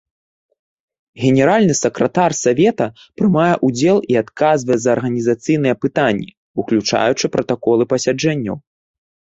Генеральны сакратар савета прымае ўдзел і адказвае за арганізацыйныя пытанні, уключаючы пратаколы пасяджэнняў.